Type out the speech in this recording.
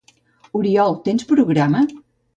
Oriol, tens programa?